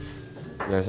yang keempat pribadi